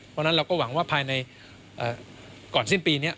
เพราะฉะนั้นเราก็หวังว่าภายในก่อนสิ้นปีนี้